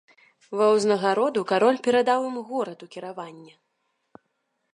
Ва ўзнагароду кароль перадаў ім горад у кіраванне.